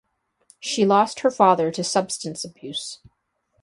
She lost her father to substance abuse.